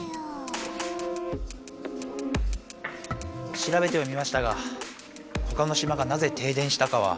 しらべてはみましたがほかのしまがなぜ停電したかは。